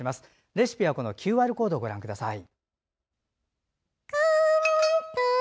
レシピはこのＱＲコードをご覧ください。